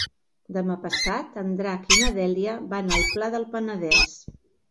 Demà passat en Drac i na Dèlia van al Pla del Penedès.